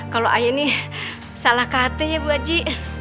kalau ayah ini salah kata ya bu aji